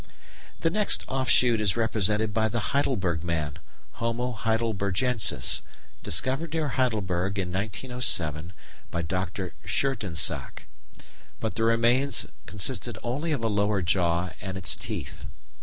The next offshoot is represented by the Heidelberg man (Homo heidelbergensis), discovered near Heidelberg in 1907 by Dr. Schoetensack. But the remains consisted only of a lower jaw and its teeth.